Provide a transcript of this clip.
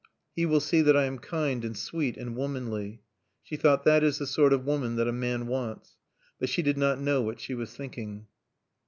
He will see that I am kind and sweet and womanly." She thought, "That is the sort of woman that a man wants." But she did not know what she was thinking.